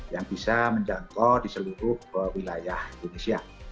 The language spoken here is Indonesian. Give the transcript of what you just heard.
yang bisa menjangkau di seluruh wilayah indonesia